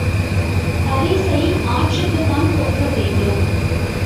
பரிசை ஆற்றுக்குத் தான் கொடுக்க வேண்டும்!